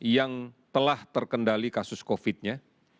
yang telah terkendali kasus covid nya